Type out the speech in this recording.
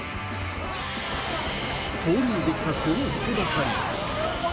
通りに出来たこの人だかり。